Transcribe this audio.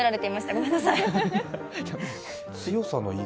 ごめんなさい。